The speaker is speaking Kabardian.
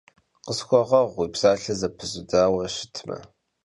Khısxueğeğu, vui psalher zepızudaue şıtme.